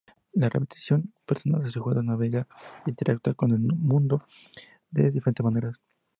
En Revelations: Persona el jugador navega e interactúa con el mundo de diferentes maneras.